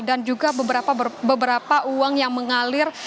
dan juga beberapa uang yang mengalir